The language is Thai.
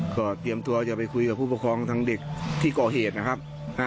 ก็เตรียมตัวจะไปคุยกับผู้ปกครองทางเด็กที่ก่อเหตุนะครับ